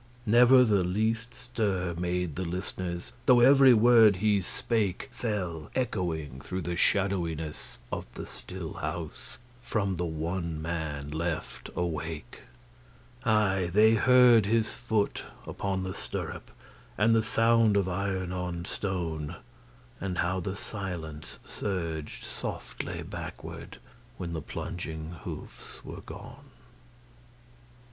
Never the least stir made the listeners, Though every word he spakeFell echoing through the shadowiness of the still houseFrom the one man left awake:Ay, they heard his foot upon the stirrup, And the sound of iron on stone, And how the silence surged softly backward, When the plunging hoofs were gone.